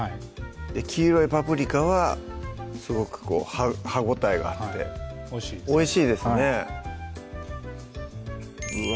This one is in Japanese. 黄色いパプリカはすごく歯応えがあっておいしいですおいしいですねうわ